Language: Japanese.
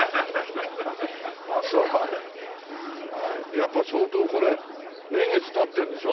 やっぱ相当これ年月経ってるんでしょ？